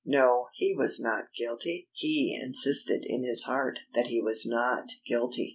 No, he was not guilty! He insisted in his heart that he was not guilty!